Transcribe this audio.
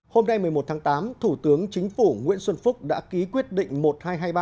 hôm nay một mươi một tháng tám thủ tướng chính phủ nguyễn xuân phúc đã ký quyết định một nghìn hai trăm hai mươi ba